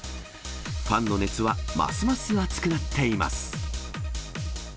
ファンの熱はますます熱くなっています。